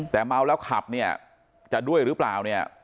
แต่เมาแล้วขับเนี่ยจะด้วยหรือเปล่าเนี่ย